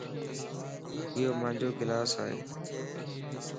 ايو مانجو گلاس ائي